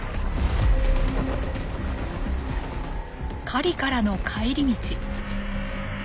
狩りからの帰り道。